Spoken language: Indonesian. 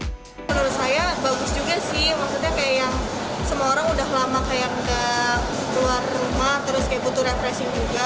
menurut saya bagus juga sih maksudnya kayak yang semua orang udah lama kayak nggak keluar rumah terus kayak butuh refreshing juga